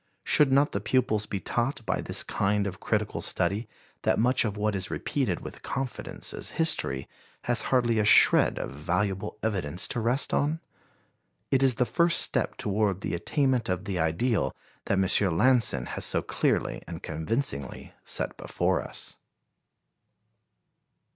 Should not the pupils be taught by this kind of critical study that much of what is repeated with confidence as history has hardly a shred of valuable evidence to rest on? It is the first step toward the attainment of the ideal that M. Lanson has so clearly and convincingly set before us.